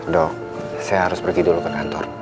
dok saya harus pergi dulu ke kantor